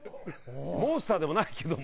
モンスターでもないけども。